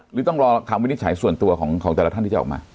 หรือต้องรอคำวินิจฉัยส่วนตัวของแต่ละท่านที่จะออกมา